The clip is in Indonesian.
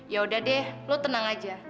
yaudah deh lu tenang aja